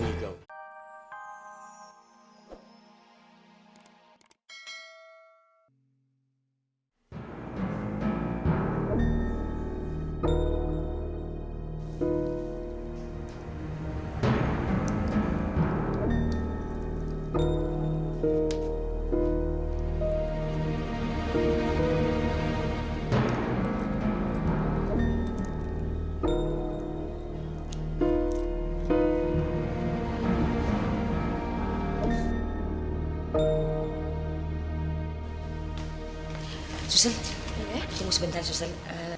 susel tunggu sebentar susel